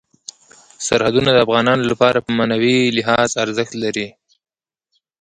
سرحدونه د افغانانو لپاره په معنوي لحاظ ارزښت لري.